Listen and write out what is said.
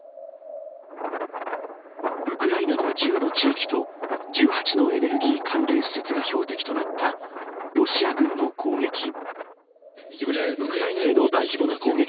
ウクライナの１０の地域と、１８のエネルギー関連施設が標的となった、ロシア軍の攻撃。